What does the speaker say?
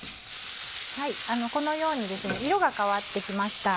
このようにですね色が変わってきました。